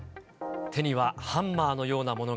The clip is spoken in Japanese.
手にはハンマーのようなものが。